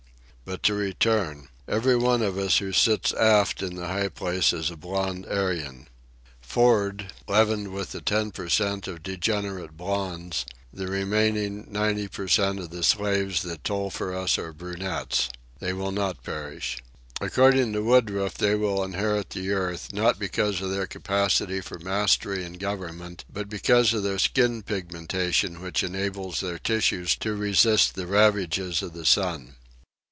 But to return. Every one of us who sits aft in the high place is a blond Aryan. For'ard, leavened with a ten per cent, of degenerate blonds, the remaining ninety per cent, of the slaves that toil for us are brunettes. They will not perish. According to Woodruff, they will inherit the earth, not because of their capacity for mastery and government, but because of their skin pigmentation which enables their tissues to resist the ravages of the sun.